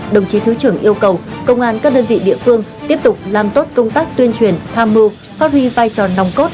đồng chí thứ trưởng yêu cầu công an các đơn vị địa phương tiếp tục làm tốt công tác tuyên truyền tham mưu phát huy vai trò nòng cốt